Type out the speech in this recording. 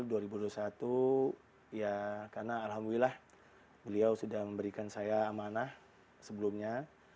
karena alhamdulillah beliau sudah memberikan saya amanah sebelumnya